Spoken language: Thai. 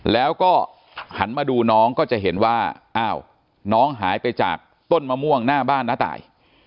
แล้วก็หันมาดูน้องก็จะเห็นว่าอ้าวน้องหายไปจากต้นมะม่วงหน้าบ้านน้าตาย